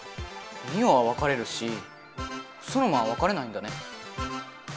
ミオはわかれるしソノマはわかれないんだね。